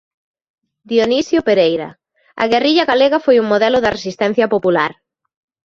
Dionisio Pereira: "A guerrilla galega foi un modelo de resistencia popular".